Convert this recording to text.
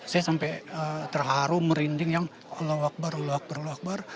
saya sampai terharu merinding yang allah akbar allah akbarullah akbar